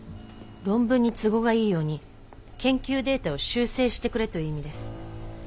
論文に都合がいいように研究データを修正してくれという意味です。